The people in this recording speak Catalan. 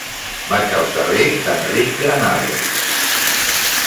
Vaig al carrer d'Enric Granados.